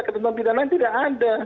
ketentuan pidananya tidak ada